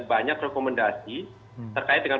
banyak rekomendasi terkait dengan